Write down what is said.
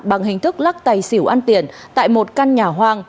bằng hình thức lắc tay xỉu an tiền tại một căn nhà hoang